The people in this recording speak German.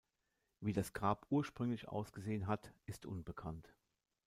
Wie das Grab ursprünglich ausgesehen hat, ist unbekannt.